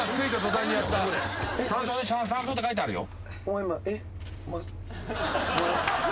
山荘って書いてあるよ。